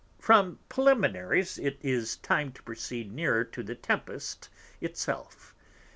From Preliminaries it is time to proceed nearer to the Tempest it self.